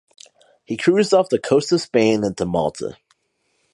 He cruised off the coast of Spain and to Malta.